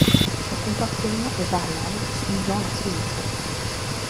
Son comportement est variable suivant la sous-espèce.